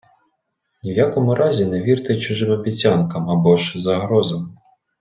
Ні в якому разі не вірте чужим обіцянкам або ж загрозам.